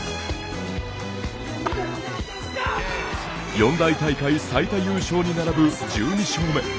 四大大会最多優勝に並ぶ１２勝目。